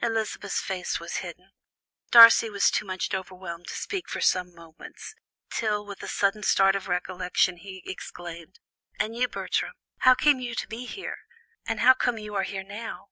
Elizabeth's face was hidden. Darcy was too much overwhelmed to speak for some moments, till with a sudden start of recollection he exclaimed: "And you, Bertram? how came you to be there? and how come you are here now?"